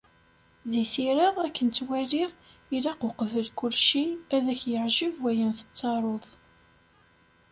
Di tira, akken ttwaliɣ, ilaq uqbel kulci, ad ak-yeɛjeb wayen tettaruḍ.